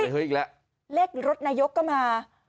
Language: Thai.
เฮ้ยเรียกรถนายกก็มา